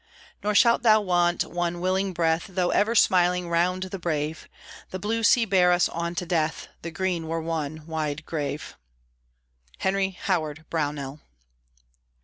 Nor shalt thou want one willing breath, Though, ever smiling round the brave, The blue sea bear us on to death, The green were one wide grave. HENRY HOWARD BROWNELL.